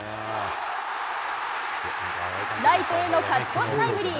ライトへの勝ち越しタイムリー。